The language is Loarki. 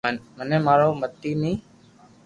مني مارو متي ني